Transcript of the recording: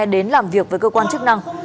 đến làm việc với cơ quan chức năng